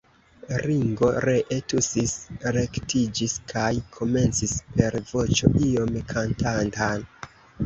Ringo ree tusis, rektiĝis kaj komencis per voĉo iom kantanta.